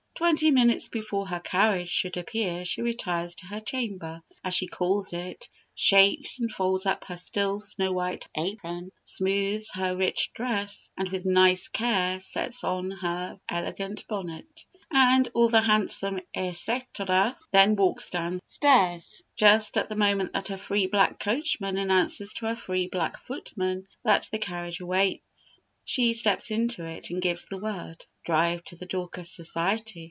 Twenty minutes before her carriage should appear she retires to her chamber, as she calls it, shakes, and folds up her still snow white apron, smooths her rich dress, and with nice care sets on her elegant bonnet, and all the handsome et cætera; then walks downstairs, just at the moment that her free black coachman announces to her free black footman that the carriage waits. She steps into it, and gives the word, "Drive to the Dorcas Society."